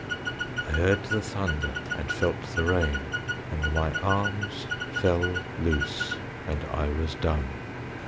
I heard the thunder, and felt the rain, And my arms fell loose, and I was dumb.